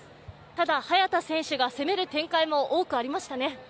ただ、早田選手が攻める展開も多くありましたね。